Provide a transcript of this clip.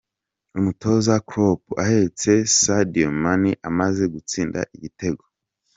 Umutoza Kloop ahetse Sadio Mane amaze gutsinda igitego.